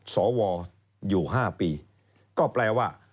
สวอยู่๕ปีก็แปลว่า